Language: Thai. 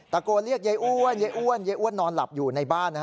ตะโกนเรียกยายอ้วนยายอ้วนยายอ้วนนอนหลับอยู่ในบ้าน